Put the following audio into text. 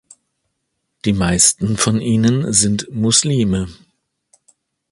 Die meisten von ihnen sind Muslime.